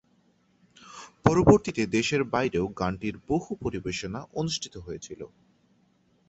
পরবর্তীতে দেশের বাইরেও গানটির বহু পরিবেশনা অনুষ্ঠিত হয়েছিল।